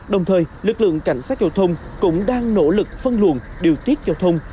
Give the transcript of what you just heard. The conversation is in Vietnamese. đồng thời lực lượng cảnh sát giao thông cũng đang nỗ lực phân luận điều tiết giao thông